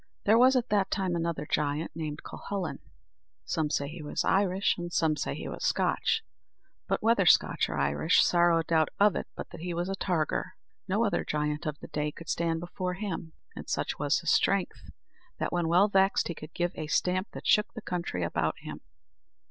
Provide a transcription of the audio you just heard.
There was at that time another giant, named Cuhullin some say he was Irish, and some say he was Scotch but whether Scotch or Irish, sorrow doubt of it but he was a targer. No other giant of the day could stand before him; and such was his strength, that, when well vexed, he could give a stamp that shook the country about him.